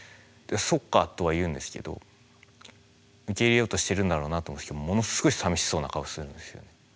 「そっか」とは言うんですけど受け入れようとしてるんだろうなと思うんですけどものすごいさみしそうな顔するんですよ。